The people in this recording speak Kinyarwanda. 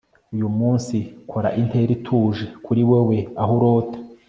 uyu munsi kora intera ituje kuri wewe aho urota